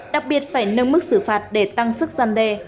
đặc biệt phải nâng mức xử phạt để tăng sức gian đe